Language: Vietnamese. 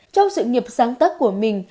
trong sự nghiệp sáng tắc của mình